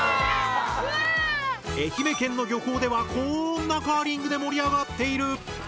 愛媛県の漁港ではこんなカーリングで盛り上がっている！